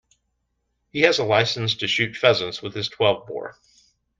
He has a licence to shoot pheasants with his twelve-bore